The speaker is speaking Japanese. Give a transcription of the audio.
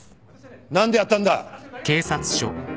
何でやったんだ？